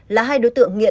là hai đối tượng nghiệp